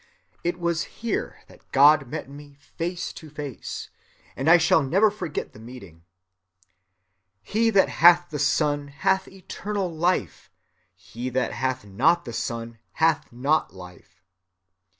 It was here that God met me face to face, and I shall never forget the meeting. 'He that hath the Son hath life eternal, he that hath not the Son hath not life.